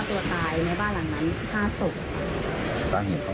โดนไล่ที่อะไรยังไงนะคะแต่ว่า